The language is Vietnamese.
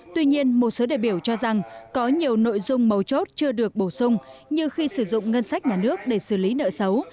tuy nhiên một số đại biểu cho rằng có nhiều nội dung mầu chốt chưa được bổ sung như khi sử dụng ngân sách nhà nước để xử lý nợ xấu